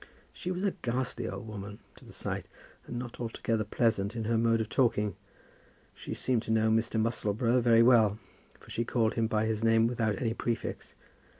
She was a ghastly old woman to the sight, and not altogether pleasant in her mode of talking. She seemed to know Mr. Musselboro very well, for she called him by his name without any prefix.